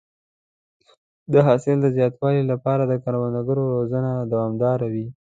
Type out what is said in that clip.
د حاصل د زیاتوالي لپاره د کروندګرو روزنه دوامداره وي.